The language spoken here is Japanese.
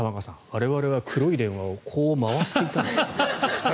我々は黒い電話をこう回していた。